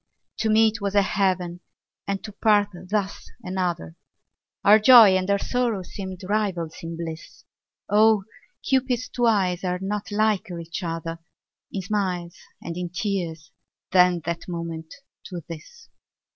To meet was a heaven and to part thus another, Our joy and our sorrow seemed rivals in bliss; Oh! Cupid's two eyes are not liker each other In smiles and in tears than that moment to this.